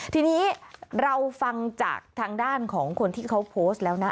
ทีนี้เราฟังจากทางด้านของคนที่เขาโพสต์แล้วนะ